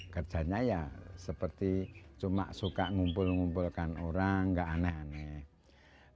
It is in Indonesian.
kerjanya ya seperti cuma suka ngumpul ngumpulkan orang gak aneh aneh